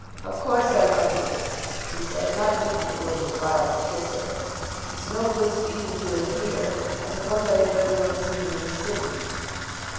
"Of course I love you," he said, not thinking it worth his while to kiss her. "It's no good speaking to him here. I suppose I had better go and see him in the city."